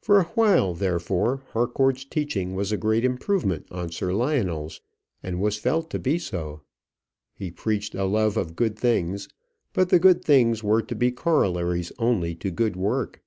For awhile, therefore, Harcourt's teaching was a great improvement on Sir Lionel's, and was felt to be so. He preached a love of good things; but the good things were to be corollaries only to good work.